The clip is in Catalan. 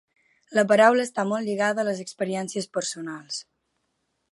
La paraula està molt lligada a les experiències personals.